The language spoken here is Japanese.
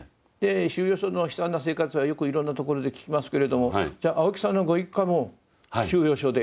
収容所の悲惨な生活はよくいろんなところで聞きますけれどもじゃあ青木さんのご一家も収容所で。